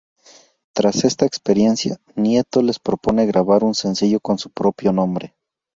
Tras esta experiencia, Nieto les propone grabar un sencillo con su propio nombre.